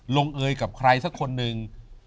ลงเอยกับใครสักคนหนึ่ง